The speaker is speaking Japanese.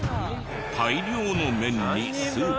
大量の麺にスープ。